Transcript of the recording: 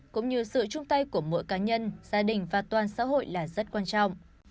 cũng như sự chung tay của mỗi cá nhân gia đình và toàn xã hội là rất quan trọng